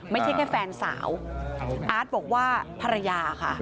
ไม่ใช่แค่แฟนสาวอาร์ตบอกว่าภรรยาค่ะ